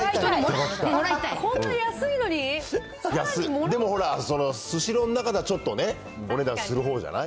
安い、でも、ほら、スシローの中ではちょっとね、お値段するほうじゃない？